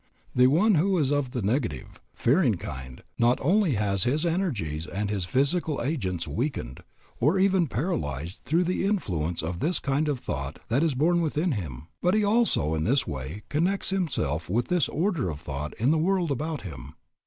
The one who is of the negative, fearing kind not only has his energies and his physical agents weakened, or even paralyzed through the influence of this kind of thought that is born within him, but he also in this way connects himself with this order of thought in the world about him.